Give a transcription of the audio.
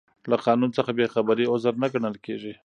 له قانون څخه بې خبري عذر نه ګڼل کیږي.